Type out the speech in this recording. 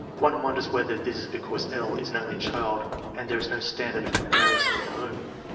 One won ders whether this is because L. is an only child and there is no standard of comparison in the home.